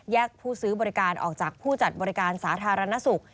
ผู้ซื้อบริการออกจากผู้จัดบริการสาธารณสุข